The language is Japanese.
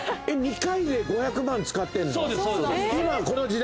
えっ２回で５００万使ってんの？